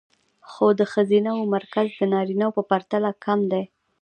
خو د ښځینه وو مزد د نارینه وو په پرتله کم دی